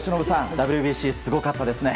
ＷＢＣ、すごかったですね。